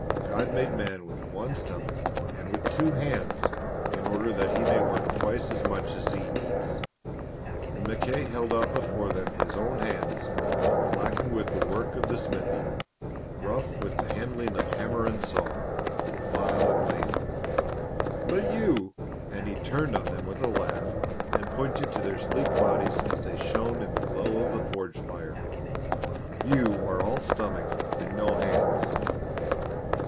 God made man with one stomach and with two hands in order that he may work twice as much as he eats." And Mackay held out before them his own hands blackened with the work of the smithy, rough with the handling of hammer and saw, the file and lathe. "But you," and he turned on them with a laugh and pointed to their sleek bodies as they shone in the glow of the forge fire, "you are all stomach and no hands."